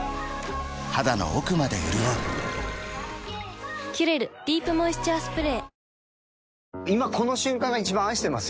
肌の奥まで潤う「キュレルディープモイスチャースプレー」